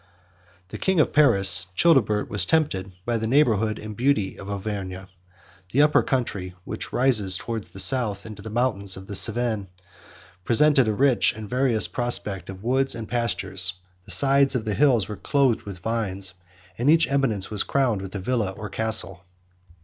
The king of Paris, Childebert, was tempted by the neighborhood and beauty of Auvergne. 102 The Upper country, which rises towards the south into the mountains of the Cevennes, presented a rich and various prospect of woods and pastures; the sides of the hills were clothed with vines; and each eminence was crowned with a villa or castle.